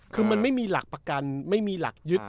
คือมันไม่มีหลักประกันไม่มีหลักยึด